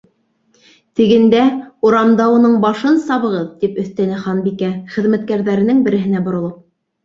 — Тегендә, урамда уның башын сабығыҙ, — тип өҫтәне Ханбикә, хеҙмәткәрҙәренең береһенә боролоп.